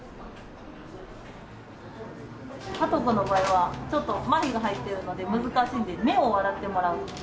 加藤君の場合はちょっとまひが入っているので難しいので目を笑ってもらう。